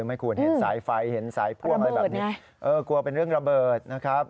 ไม่ควรเห็นสายไฟเห็นสายพ่วงอะไรแบบนี้เออกลัวเป็นเรื่องระเบิดนะครับ